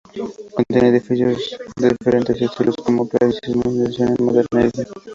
Contiene edificios de diferentes estilos, como clasicismo, secesión o modernismo.